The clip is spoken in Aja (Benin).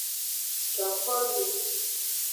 Coxome.